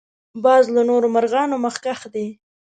باز له نورو مرغانو مخکښ دی